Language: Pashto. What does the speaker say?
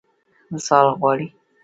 وصال غواړي.